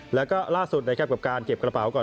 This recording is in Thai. แล้วก็ล่าสุดนะครับกับการเก็บกระเป๋าก่อน